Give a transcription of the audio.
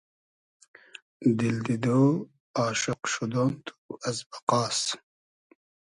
دیل دیدۉ ، آشوق شودۉن تو از بئقاس